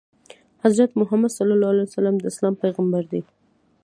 حضرت محمد ﷺ د اسلام پیغمبر دی.